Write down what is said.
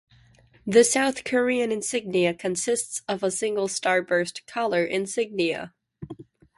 The South Korean insignia consists of a single star burst collar insignia.